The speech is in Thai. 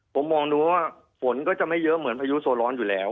ผมมองดูว่าฝนก็จะไม่เยอะเหมือนพายุโซร้อนอยู่แล้ว